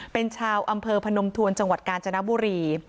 เป็นชาวอำเภอพนมทวนจังหวัดกาญจนบุรี